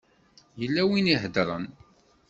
Yella win i iheddṛen.